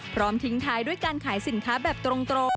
พร้อมทิ้งท้ายด้วยการขายสินค้าแบบตรง